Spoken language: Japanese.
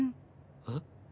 えっ？